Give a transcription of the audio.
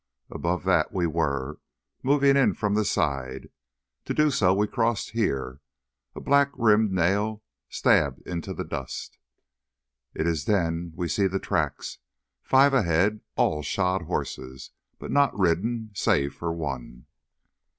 Above that we were—moving in from this side. To do so we crossed here." A black rimmed nail stabbed into the dust. "It is then we see the tracks—five ahead—all shod horses, but not ridden, save for one."